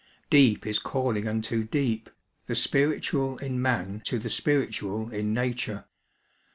Deep is calling unto deep, the spiritual in man to the spiritual in Nature.